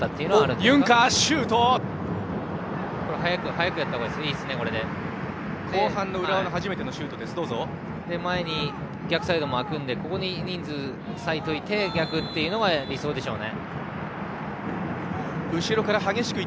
そして逆サイドも空くのでここに人数を割いて逆というのが理想でしょうね。